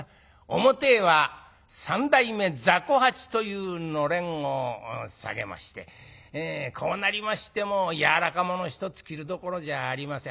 表へは「三代目ざこ八」というのれんを下げましてこうなりましてもやわらかもの一つ着るどころじゃありません。